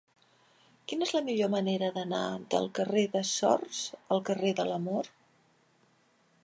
Quina és la millor manera d'anar del carrer de Sors al carrer de l'Amor?